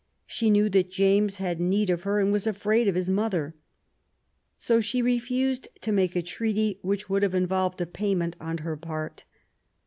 She knew that James had need of her, and was afraid of his mother. So she refused to make a treaty which would have involved a payment on her part.